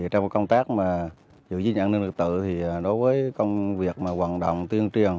trong công tác giữ dữ nhận nâng lực tự đối với công việc hoạt động tuyên truyền